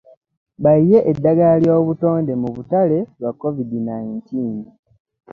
Bayiye eddagala ly'obutonde mu butale lwa covid nineteen.